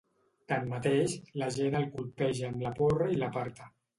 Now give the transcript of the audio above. Tanmateix, l’agent el colpeja amb la porra i l’aparta.